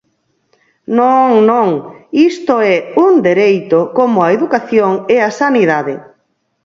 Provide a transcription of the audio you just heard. Non, non, isto é un dereito, como a educación e a sanidade.